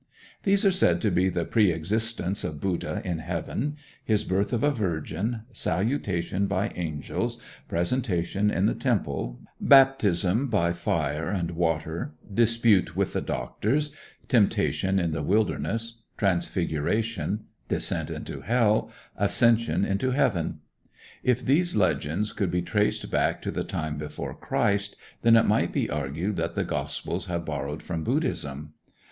These are said to be the preëxistence of Buddha in heaven; his birth of a virgin; salutation by angels; presentation in the temple; baptism by fire and water; dispute with the doctors; temptation in the wilderness; transfiguration; descent into hell; ascension into heaven. If these legends could be traced back to the time before Christ, then it might be argued that the Gospels have borrowed from Buddhism.